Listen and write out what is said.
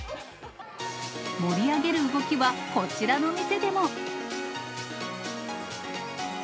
盛り上げる動きは、こちらの店でも。